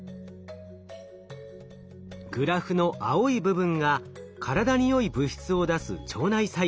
グラフの青い部分が体によい物質を出す腸内細菌。